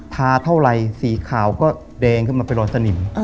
ทาเท่าไรสีขาวก็แดงขึ้นมาเป็นรอยสนิม